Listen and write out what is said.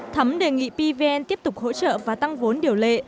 thấm đề nghị pvn tiếp tục hỗ trợ và tăng vốn điều lệ